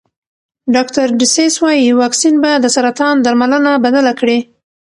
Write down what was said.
ډاکټر ډسیس وايي واکسین به د سرطان درملنه بدله کړي.